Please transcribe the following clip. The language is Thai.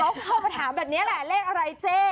เขาเข้ามาถามแบบนี้แหละเลขอะไรเจ๊